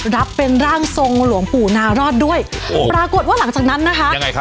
รับเป็นร่างทรงหลวงปู่นารอดด้วยปรากฏว่าหลังจากนั้นนะคะยังไงครับ